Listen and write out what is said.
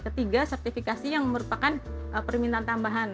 ketiga sertifikasi yang merupakan permintaan tambahan